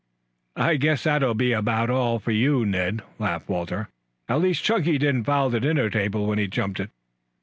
"I guess that will be about all for you, Ned," laughed Walter. "At least, Chunky didn't foul the dinner table when he jumped it."